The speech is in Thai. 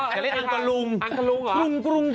อยากเล่นอังกฎรุง